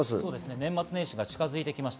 年末年始が近づいてきました。